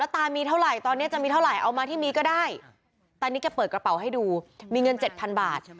ตานิดแกเปิดกระเป๋าให้ดูมีเงิน๗๐๐๐บาท